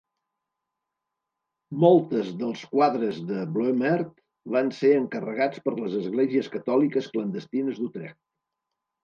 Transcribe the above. Moltes dels quadres de Bloemaert van ser encarregats per les esglésies catòliques clandestines d'Utrecht.